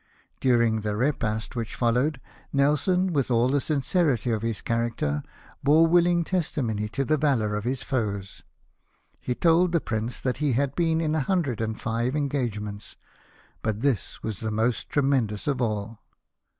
During the repast which followed, Nelson, with all the sincerity of his character, bore willing testimony to the valour of his foes. He told the Prince that he had been in a hundred and five engagements, but this was the most tremendous of all.